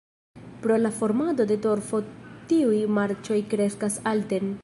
Pro la formado de torfo tiuj marĉoj kreskas alten.